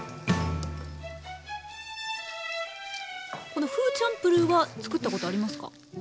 このフーチャンプルーは作ったことありますか？